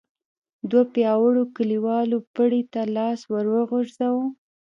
دوو پياوړو کليوالو پړي ته لاس ور وغځاوه.